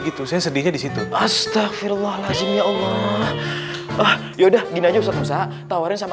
gitu saya sedihnya disitu astagfirullahaladzim ya allah yaudah gini aja ustadz musa tawarin sama